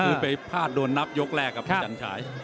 ก็ถือไปพลาดโดนนับยกแรกกับอาจารย์ชาย